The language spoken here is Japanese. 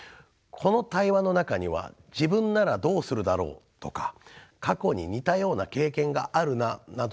この対話の中には自分ならどうするだろうとか過去に似たような経験があるななどの感想も含まれます。